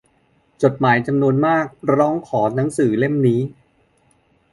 จดหมายจำนวนมากร้องขอหนังสือเล่มนี้